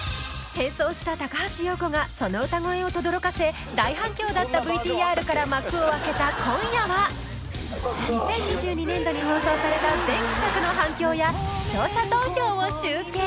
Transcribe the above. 変装した高橋洋子がその歌声を轟かせ大反響だったＶＴＲから幕を開けた今夜は２０２２年度に放送された全企画の反響や視聴者投票を集計！